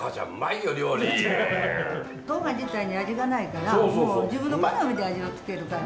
とうがん自体に味がないから自分の好みで味を付けるから。